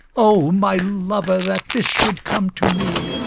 O my lover, That this should come to me!